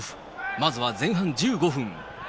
まずは前半１５分。